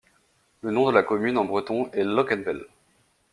Le nom de la commune en breton est Lokenvel.